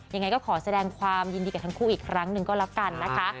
อย่างไรก็ขอแสดงความยินดีกับคุณครั้งนึงก็แล้วกันนะคะ